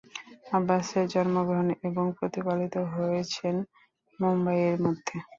আব্বাসের জন্মগ্রহণ এবং প্রতিপালিত হয়েছেন মুম্বাই এর মধ্যে।